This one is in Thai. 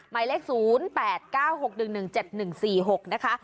หมายเลข๐๘๙๖๑๑๗๑๔๖นะคะ